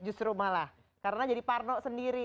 justru malah karena jadi parno sendiri